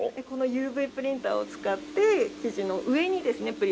このＵＶプリンターを使って生地の上にですね